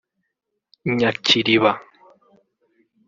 Nyakiriba